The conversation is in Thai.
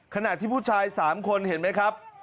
ขณะที่ผู้ชาย๓คนเห็นไหมครับ